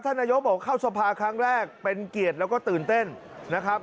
นายกบอกเข้าสภาครั้งแรกเป็นเกียรติแล้วก็ตื่นเต้นนะครับ